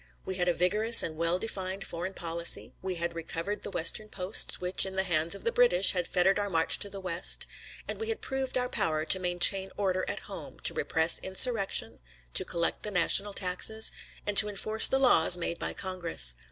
We had a vigorous and well defined foreign policy; we had recovered the western posts, which, in the hands of the British, had fettered our march to the west; and we had proved our power to maintain order at home, to repress insurrection, to collect the national taxes, and to enforce the laws made by Congress.